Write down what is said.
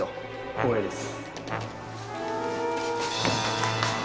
光栄です。